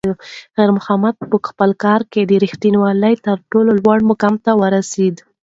خیر محمد په خپل کار کې د رښتونولۍ تر ټولو لوړ مقام ته ورسېد.